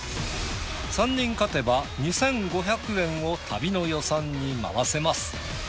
３人勝てば２，５００円を旅の予算に回せます。